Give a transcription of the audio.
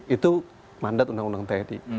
itu mandat undang undang tni